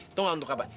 itu enggak untuk apa